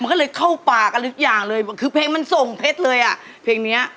มันก็เลยเข้าปากกันทุกอย่างเลยคือเพลงมันส่งเพชรเลยอ่ะเพลงเนี้ย